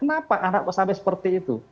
kenapa anak sampai seperti itu